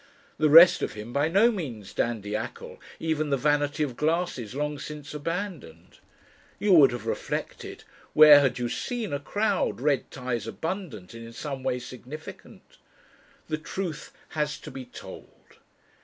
The rest of him by no means dandiacal, even the vanity of glasses long since abandoned. You would have reflected.... Where had you seen a crowd red ties abundant and in some way significant? The truth has to be told.